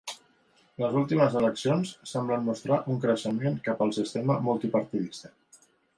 Les últimes eleccions semblen mostrar un creixement cap al sistema multipartidista.